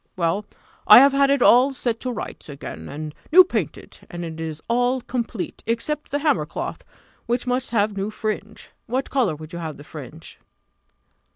Well, I have had it all set to rights again, and new painted, and it is all complete, except the hammer cloth, which must have new fringe. What colour will you have the fringe?"